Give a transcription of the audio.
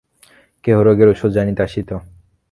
কেহ রোগের ঔষধ জানিতে আসিত।